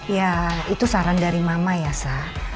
ya itu saran dari mama ya sah